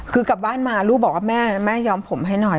คือกลับบ้านมาลูกบอกว่าแม่แม่ยอมผมให้หน่อย